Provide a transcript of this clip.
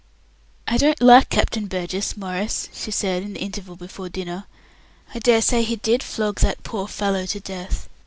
"I don't like Captain Burgess, Maurice," she said, in the interval before dinner. "I dare say he did flog that poor fellow to death.